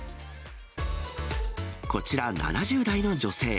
こちら、７０代の女性。